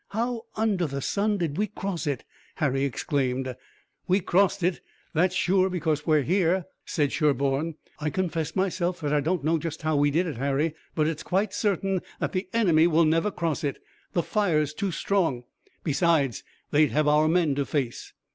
"How under the sun did we cross it?" Harry exclaimed. "We crossed it, that's sure, because here we are," said Sherburne. "I confess myself that I don't know just how we did it, Harry, but it's quite certain that the enemy will never cross it. The fire's too strong. Besides, they'd have our men to face."